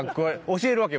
教えるわけ？